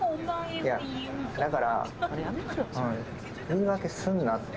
いやだから言い訳すんなって。